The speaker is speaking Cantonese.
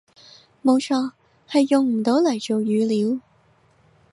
冇錯，係用唔到嚟做語料